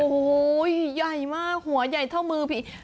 โอ้โหใหญ่มากหัวใหญ่เท่ามือผี